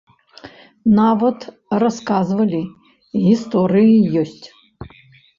Нават, расказвалі, гісторыі ёсць.